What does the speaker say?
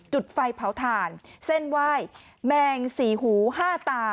จุดไฟเผาถ่านเส้นไหว้แมงสี่หูห้าตา